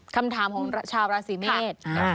คำถามของชาวราศีเมษ